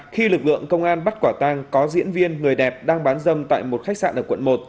khi lực lượng công an bắt quả tang có diễn viên người đẹp đang bán dâm tại một khách sạn ở quận một